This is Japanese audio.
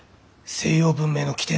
西洋文明の起点！